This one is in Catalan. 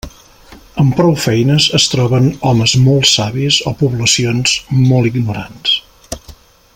Amb prou feines es troben homes molt savis o poblacions molt ignorants.